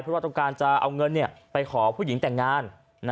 เพราะว่าต้องการจะเอาเงินไปขอผู้หญิงแต่งงาน